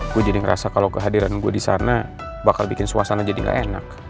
gue jadi ngerasa kalo kehadiran gue disana bakal bikin suasana jadi ga enak